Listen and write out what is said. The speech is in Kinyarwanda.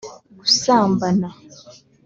gusambana